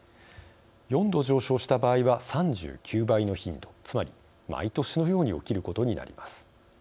４度上昇した場合は３９倍の頻度つまり毎年のように起きることになります。